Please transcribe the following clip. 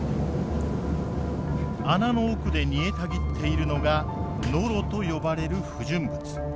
穴の奥で煮えたぎっているのがノロと呼ばれる不純物。